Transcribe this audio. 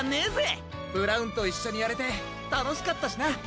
ブラウンといっしょにやれてたのしかったしな！